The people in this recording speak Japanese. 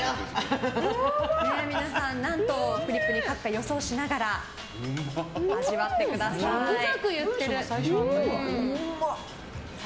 皆さん、何とフリップに書くか予想しながらザクザクいってる。